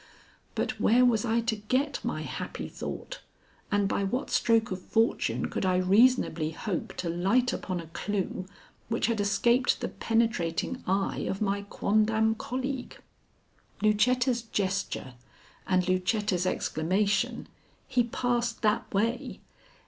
But where was I to get my happy thought, and by what stroke of fortune could I reasonably hope to light upon a clue which had escaped the penetrating eye of my quondam colleague? Lucetta's gesture and Lucetta's exclamation, "He passed that way!"